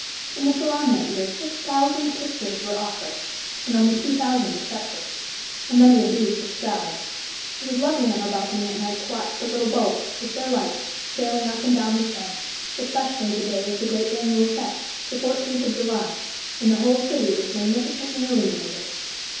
In the Salon that year six thousand pictures were offered, and only two thousand accepted, and many of these were "skyed." It was lovely on our balcony at night to watch the little boats, with their lights, sailing up and down the Seine, especially the day of the great annual fête, the 14th of July, when the whole city was magnificently illuminated.